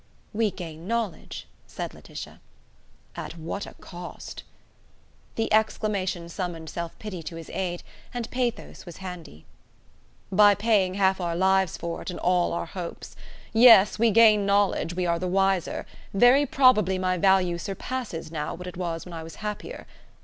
"We gain knowledge," said Laetitia. "At what a cost!" The exclamation summoned self pity to his aid, and pathos was handy. "By paying half our lives for it and all our hopes! Yes, we gain knowledge, we are the wiser; very probably my value surpasses now what it was when I was happier.